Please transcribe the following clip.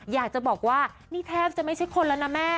อยากจะบอกว่านี่แทบจะไม่ใช่คนแล้วนะแม่